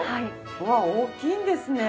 わあ大きいんですね！